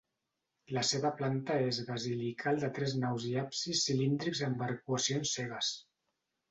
La seva planta és basilical de tres naus i absis cilíndrics amb arcuacions cegues.